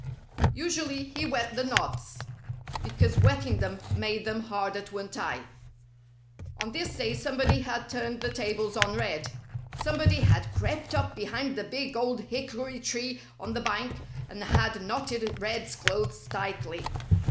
Usually he wet the knots, because wetting them made them harder to untie. On this day somebody had turned the tables on Red. Somebody had crept up behind the big old hickory tree on the bank and had knotted Red's clothes tightly.